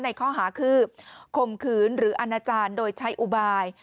ในข้อหาคือข่มขืนหรืออาณาจารย์โดยใช้อุบาย